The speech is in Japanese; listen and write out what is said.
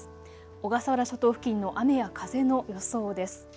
小笠原諸島付近の雨や風の予想です。